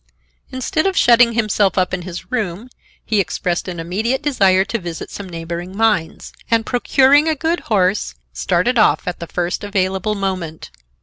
Instead of shutting himself up in his room he expressed an immediate desire to visit some neighboring mines, and, procuring a good horse, started off at the first available moment.